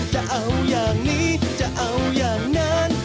จะเอาอย่างนี้จะเอาอย่างนั้น